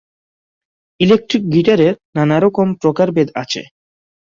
Electric গিটারের নানা রকম প্রকারভেদ আছে।